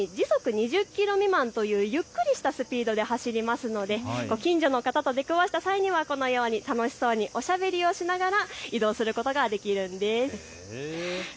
さらに時速２０キロ未満というゆっくりしたスピードで走るので近所の方と出くわした際にはこのように楽しそうにおしゃべりをしながら移動することができるんです。